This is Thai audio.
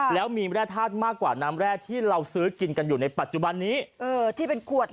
แล้วมีแร่ธาตุมากกว่าน้ำแร่ที่เราซื้อกินกันอยู่ในปัจจุบันนี้เออที่เป็นขวด